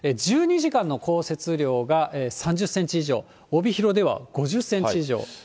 １２時間の降雪量が３０センチ以上、帯広では５０センチ以上。